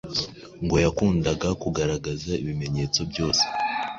Ngo yakundaga kugaragaza ibimenyetso byose